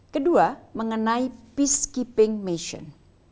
kedua mengenai peacekeeping mission